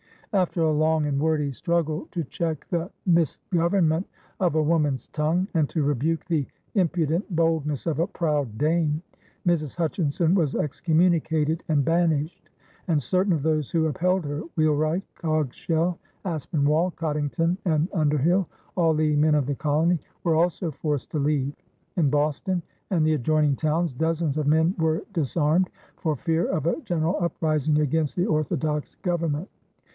After a long and wordy struggle to check the "misgovernment of a woman's tongue" and to rebuke "the impudent boldness of a proud dame," Mrs. Hutchinson was excommunicated and banished; and certain of those who upheld her Wheelwright, Coggeshall, Aspinwall, Coddington, and Underhill, all leading men of the colony were also forced to leave. In Boston and the adjoining towns dozens of men were disarmed for fear of a general uprising against the orthodox government.